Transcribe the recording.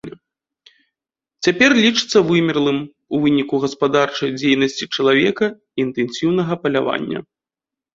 Цяпер лічыцца вымерлым ў выніку гаспадарчай дзейнасці чалавека і інтэнсіўнага палявання.